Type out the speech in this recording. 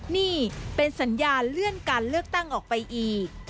นี่เป็นสัญญาเลื่อนการเลือกตั้งออกไปอีก